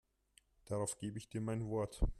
Darauf gebe ich dir mein Wort.